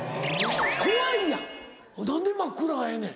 怖いやん何で真っ暗がええねん？